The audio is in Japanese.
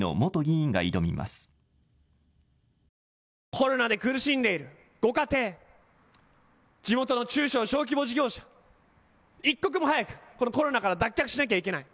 コロナで苦しんでいるご家庭、地元の中小小規模事業者、一刻も早くこのコロナから脱却しなきゃいけない。